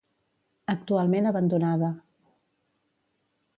Actualment abandonada.